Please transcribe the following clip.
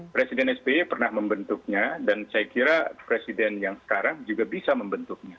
presiden sby pernah membentuknya dan saya kira presiden yang sekarang juga bisa membentuknya